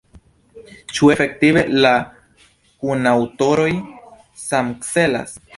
Ĉu efektive la kunaŭtoroj samcelas?